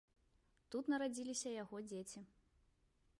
Тут нарадзіліся яго дзеці.